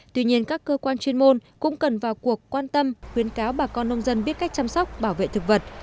tuy nhiên các cơ quan chuyên môn cũng cần vào cuộc quan tâm khuyến cáo bà con nông dân biết cách chăm sóc bảo vệ thực vật